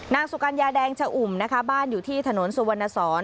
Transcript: สุกัญญาแดงชะอุ่มนะคะบ้านอยู่ที่ถนนสุวรรณสอน